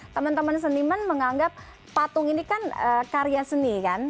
teman teman seniman menganggap patung ini kan karya seni kan